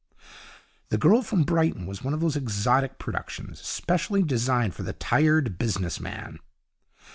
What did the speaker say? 'The Girl From Brighton' was one of those exotic productions specially designed for the Tired Business Man.